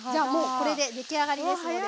これで出来上がりですので。